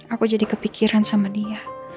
aku jadi kepikiran sama dia